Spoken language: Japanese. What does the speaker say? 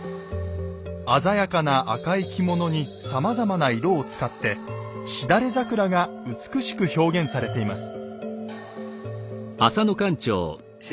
鮮やかな赤い着物にさまざまな色を使ってしだれ桜が美しく表現されています。